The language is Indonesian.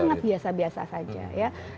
sangat biasa biasa saja ya